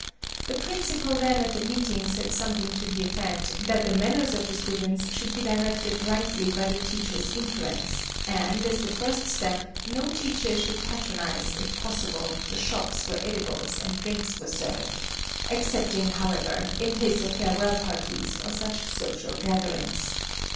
The principal then at the meeting said something to the effect that the manners of the students should be directed rightly by the teachers' influence, and as the first step, no teacher should patronize, if possible, the shops where edibles and drinks were served, excepting, however, in case of farewell party or such social gatherings.